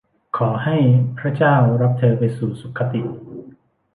ขอให้พระเจ้ารับเธอไปสู่สุขคติ